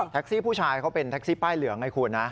ผู้ชายเขาเป็นแท็กซี่ป้ายเหลืองไงคุณนะ